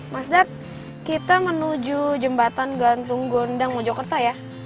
mas dart kita menuju jembatan gantung gondang mojokerto ya